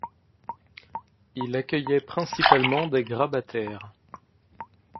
Il accueillait principalement des grabataires.